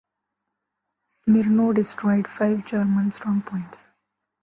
Smirnov destroyed five German strongpoints.